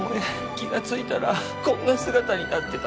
気がついたらこんな姿になってたの。